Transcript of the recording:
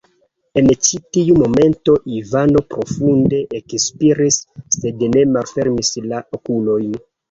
En ĉi-tiu momento Ivano profunde ekspiris, sed ne malfermis la okulojn.